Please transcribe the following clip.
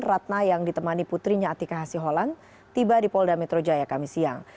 ratna yang ditemani putrinya atika hasi holan tiba di polda metro jaya kami siang